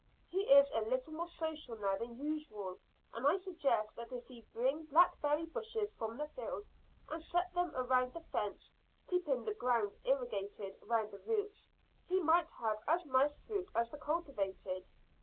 He is a little more social now than usual, and I suggest that if he bring blackberry bushes from the field, and set them around the fence, keeping the ground irrigated round the roots, he might have as nice fruit as the cultivated.